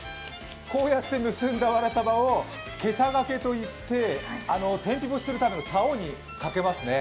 こうやって結んだわら束をはさがけといって天日干しするさおにかけますね。